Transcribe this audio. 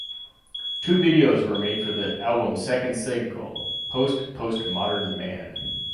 Two videos were made for the album's second single, "Post Post-Modern Man".